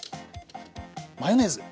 マヨネーズ。